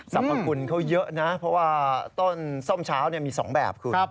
สรรพคุณเขาเยอะนะเพราะว่าต้นส้มเช้ามี๒แบบคุณ